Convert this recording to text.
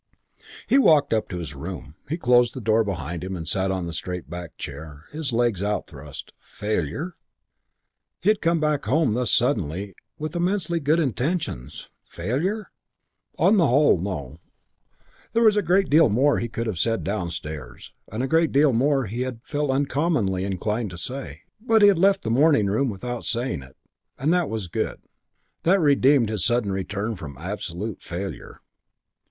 IV He walked up to his room. He closed the door behind him and sat on a straight backed chair, his legs outthrust. Failure? He had come back home thus suddenly with immensely good intentions. Failure? On the whole, no. There was a great deal more he could have said downstairs, and a great deal more he had felt uncommonly inclined to say. But he had left the morning room without saying it, and that was good; that redeemed his sudden return from absolute failure.